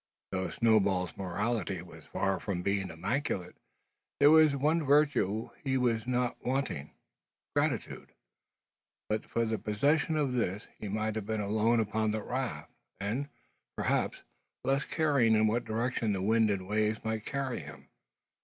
Though Snowball's morality was far from being immaculate, there was one virtue which he was not wanting, gratitude. But for the possession of this, he might have been alone upon the raft, and, perhaps, less caring in what direction the winds and waves might carry him.